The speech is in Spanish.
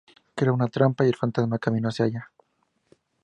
Creó una trampa y el Fantasma caminó hacia ella.